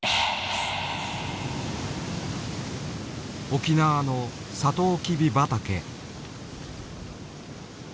沖縄のサトウキビ畑。